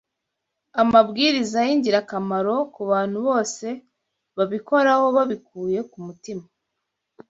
amabwiriza y’ingirakamaro ku bantu bose babikoraho babikuye ku mutima